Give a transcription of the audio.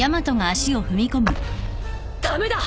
駄目だ！